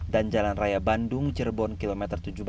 dan jalan raya bandung cirebon km tujuh belas delapan belas